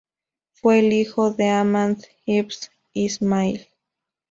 Fue el hijo de Ahmad ibn Isma’il.